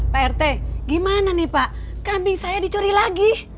pak rt gimana nih pak kambing saya dicuri lagi